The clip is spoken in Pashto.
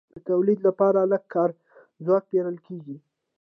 د تولید لپاره لږ کاري ځواک پېرل کېږي